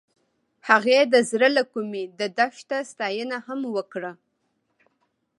هغې د زړه له کومې د دښته ستاینه هم وکړه.